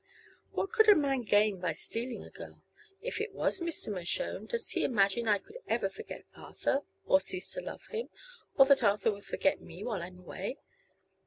"What could a man gain by stealing a girl? If it was Mr. Mershone, does he imagine I could ever forget Arthur? Or cease to love him? Or that Arthur would forget me while I am away?